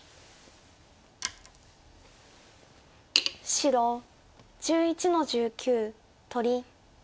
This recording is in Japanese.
白１１の十九取り。